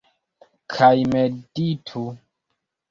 Kaj meditu.